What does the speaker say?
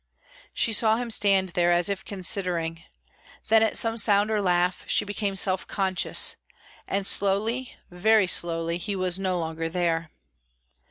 She saw him stand there, as if considering; then at some sound or laugh, she became self conscious, and slowly, very slowly, he was no longer there.